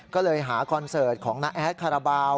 ก็เลยหาคอนเสิร์ตของน้าแอดคาราบาล